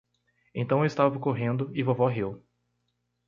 Então eu estava correndo e vovó riu.